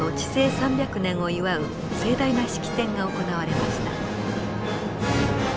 ３００年を祝う盛大な式典が行われました。